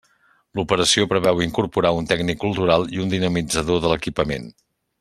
L'operació preveu incorporar un tècnic cultural i un dinamitzador de l'equipament.